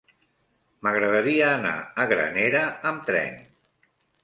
M'agradaria anar a Granera amb tren.